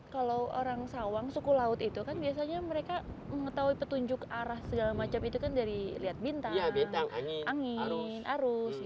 kalau orang sawang suku laut itu kan biasanya mereka mengetahui petunjuk arah segala macam itu kan dari lihat bintang angin angin arus